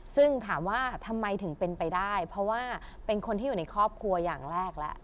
ซึ่งถามว่าทำไมถึงเป็นไปได้เพราะว่าเป็นคนที่อยู่ในครอบครัวอย่างแรกแล้ว